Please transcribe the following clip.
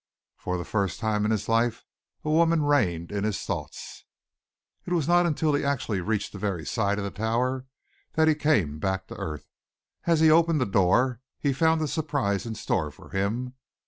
For the first time in his life a woman reigned in his thoughts. It was not until he actually reached the very side of the Tower that he came back to earth. As he opened the door, he found a surprise in store for him.